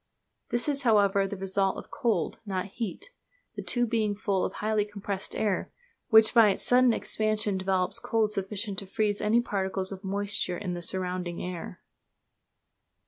This is, however, the result of cold, not heat, the tube being full of highly compressed air, which by its sudden expansion develops cold sufficient to freeze any particles of moisture in the surrounding air.